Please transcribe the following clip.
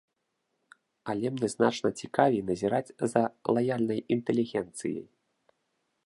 Але мне значна цікавей назіраць за лаяльнай інтэлігенцыяй.